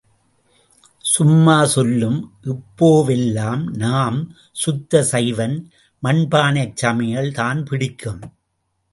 சும்மா சொல்லும் இப்போவெல்லாம் நாம் சுத்த சைவன், மண்பானைச் சமையல் தான் பிடிக்கும்.